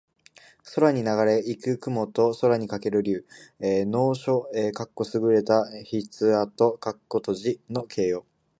空にながれ行く雲と空翔ける竜。能書（すぐれた筆跡）の形容。